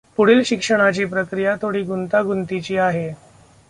पुढील शिक्षणाची प्रक्रीया थोडी गुंतागुंतीची आहे.